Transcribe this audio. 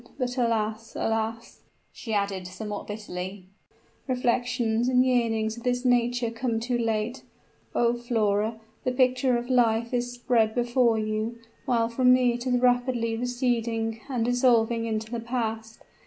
But, alas, alas!" she added, somewhat bitterly, "reflections and yearnings of this nature come too late! O Flora! the picture of life is spread before you while from me it is rapidly receding, and dissolving into the past.